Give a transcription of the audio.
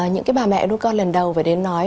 những cái bà mẹ đu con lần đầu phải đến nói